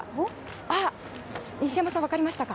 あっ、西山さん、分かりましたか。